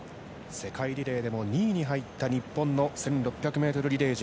世界リレーでも２位に入った日本の１６００ｍリレー陣。